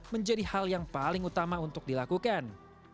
menjadi hal yang paling utama untuk dilakukan